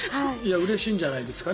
うれしいんじゃないですかね